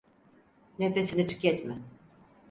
Nefesini tüketme.